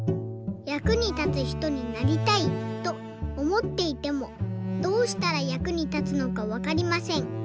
「役に立つひとになりたいとおもっていてもどうしたら役に立つのかわかりません。